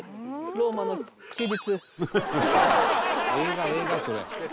『ローマの休日』。